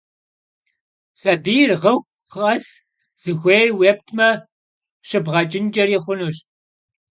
Sabiyr ğıxu khes zıxuêyr yêptıme şıbğeç'ınç'eri xhunuş.